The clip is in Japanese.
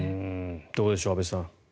どうでしょう、安部さん。